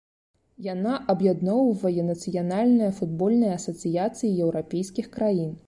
Яна аб'ядноўвае нацыянальныя футбольныя асацыяцыі еўрапейскіх краін.